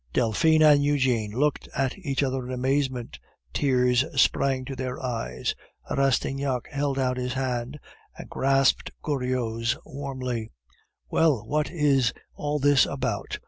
Delphine and Eugene looked at each other in amazement, tears sprang to their eyes. Rastignac held out his hand and grasped Goriot's warmly. "Well, what is all this about?